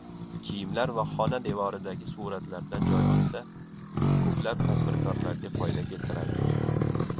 kiyimlar va xona devoridagi suratlardan joy olsa, ko‘plab tadbirkorlarga foyda keltiradi.